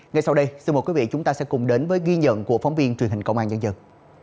ngay sau đây chúng ta sẽ cùng đến với ghi nhận của phóng viên truyền hình công an nhân dân